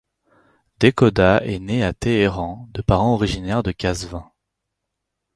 Dehkhoda est né à Téhéran de parents originaires de Qazvin.